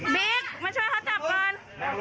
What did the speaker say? มาช่วยเขาจับก่อน